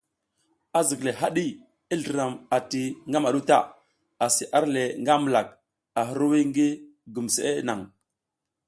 Azikle haɗi, i zliram ati ngamaɗu ta, asi arle nga milak, a hirwuy ngi gumseʼe nang.